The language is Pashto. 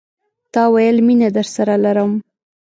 تا ويل، میینه درسره لرم